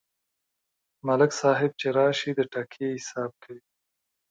ملک صاحب چې راشي، د ټکي حساب کوي.